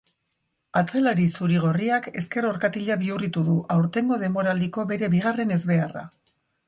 Atzelari zuri-gorriak ezker orkatila bihurritu du, aurtengo denboraldiko bere bigarren ezbeharra.